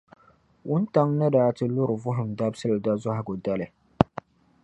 Wuntaŋ’ ni daa ti lura Vuhim Dabisili dazɔhigu dali.